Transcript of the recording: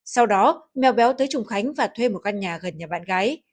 sau đó mèo béo tới trùng khánh và thuê một căn nhà gần nhà bạn gái